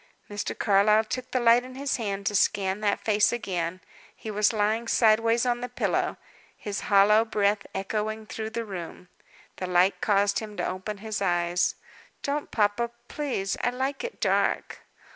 Mr. Carlyle took the light in his hand to scan that face again. He was lying sideways on the pillow, his hollow breath echoing through the room. The light caused him to open his eyes. "Don't, papa, please. I like it dark."